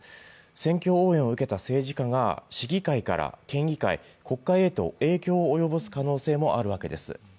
選挙応援を受けた議員が市議会、国会へと影響を及ぼす可能性もあるわけです。